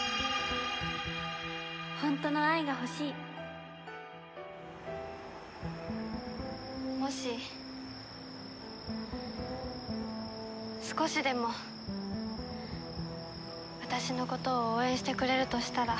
本当の愛が欲しいもし少しでも私のことを応援してくれるとしたら。